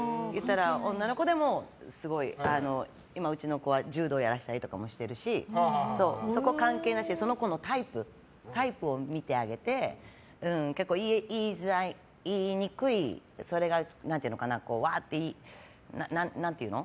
女の子でも、今、うちの子は柔道やらせたりとかしてるしそこ関係なしにその子のタイプを見てあげて言いづらい、言いにくいそれがわっと何ていうの？